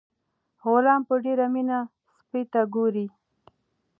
غلام په ډیره مینه سپي ته ګوري.